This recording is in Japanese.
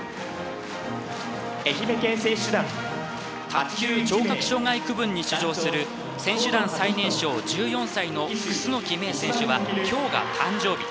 卓球・聴覚障害区分に出場する選手団最年少１４歳の楠萌生選手は今日が誕生日。